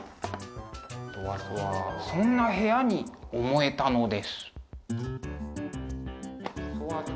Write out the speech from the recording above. そんな部屋に思えたのです。